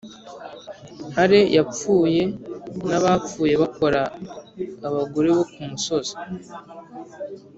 hale yapfuye n'abapfuye bakora abagore bo kumusozi